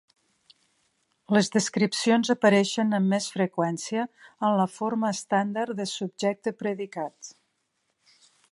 Les descripcions apareixen amb més freqüència en la forma estàndard de subjecte-predicat.